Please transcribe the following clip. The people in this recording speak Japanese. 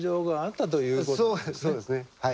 そうですねはい。